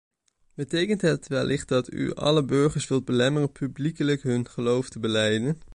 Betekent het wellicht dat u alle burgers wilt belemmeren publiekelijk hun geloof te belijden?